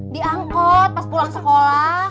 diangkut pas pulang sekolah